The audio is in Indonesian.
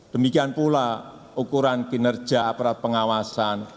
demikian pula ukuran kinerja aparat pengawasan